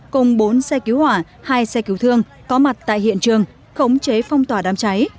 cùng bốn xe cứu hỏa hai xe cứu thương có mặt tại hiện trường khống chế phong tỏa đám cháy